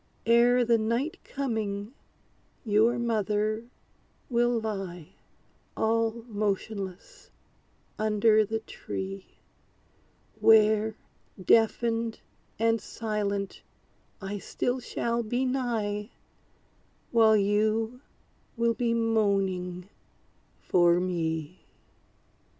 Ere the night coming, your mother will lie, All motionless, under the tree; Where, deafened, and silent, I still shall be nigh, While you will be moaning for me!